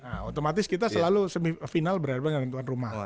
nah otomatis kita selalu semifinal berhadapan dengan tuan rumah